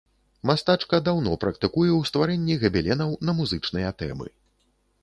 Мастачка даўно практыкуе ў стварэнні габеленаў на музычныя тэмы.